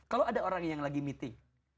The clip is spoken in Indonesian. kalau ada orang yang lagi meeting